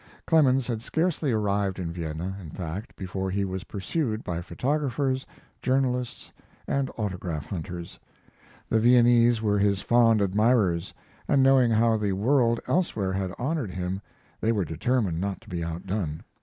Clemens had scarcely arrived in Vienna, in fact, before he was pursued by photographers, journalists, and autograph hunters. The Viennese were his fond admirers, and knowing how the world elsewhere had honored him they were determined not to be outdone.